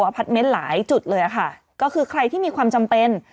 พาร์ทเมนต์หลายจุดเลยค่ะก็คือใครที่มีความจำเป็น